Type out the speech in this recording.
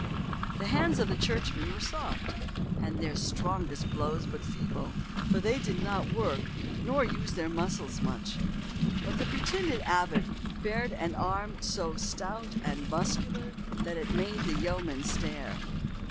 The hands of churchmen were soft, and their strongest blows but feeble, for they did not work nor use their muscles much. But the pretended abbot bared an arm so stout and muscular that it made the yeomen stare.